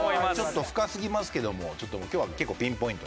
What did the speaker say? ちょっと深すぎますけども今日は結構ピンポイントに。